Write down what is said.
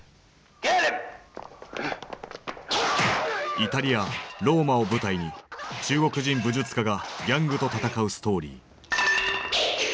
イタリア・ローマを舞台に中国人武術家がギャングと戦うストーリー。